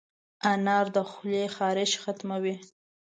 انار د خولې خارش ختموي.